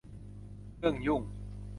เรื่องยุ่ง